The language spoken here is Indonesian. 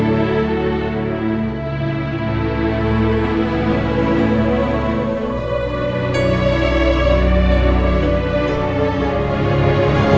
maksudnya jika kamu menggolongmu